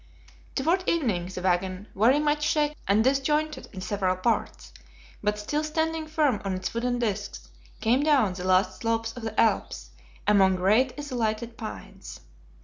Toward evening the wagon, very much shaken and disjointed in several parts, but still standing firm on its wooden disks, came down the last slopes of the Alps, among great isolated pines.